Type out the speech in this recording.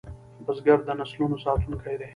بزګر د نسلونو ساتونکی دی